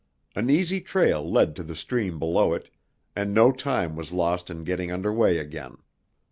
An easy trail led to the stream below it, and no time was lost in getting under way again.